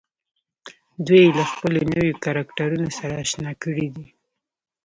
دوی يې له خپلو نويو کرکټرونو سره اشنا کړي دي.